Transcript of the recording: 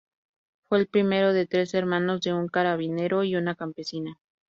Fue el primero de tres hermanos de un carabinero y una campesina.